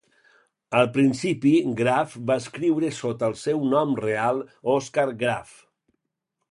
Al principi, Graf va escriure sota el seu nom real Oskar Graf.